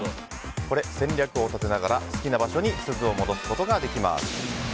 戦略を立てながら、好きな場所に鈴を戻すことができます。